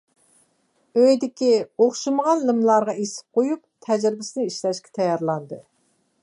ئۆيدىكى ئوخشىمىغان لىملارغا ئېسىپ قويۇپ، تەجرىبىسىنى ئىشلەشكە تەييارلاندى.